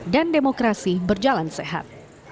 dan demokrasi berjalan sehat